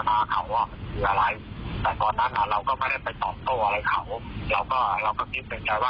ผมก็ให้เขาแจกหน้ากลงไปคุณบ้างเนี่ยไง